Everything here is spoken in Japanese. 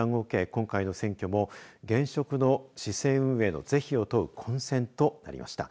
今回の選挙も現職の市政運営の是非を問う混戦となりました。